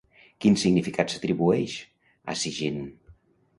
Quin significat s'atribueix a Sigyn?